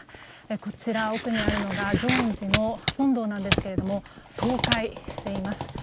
こちら、奥にあるのが浄恩寺の本堂なんですが倒壊しています。